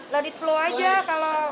ladi flow aja kalau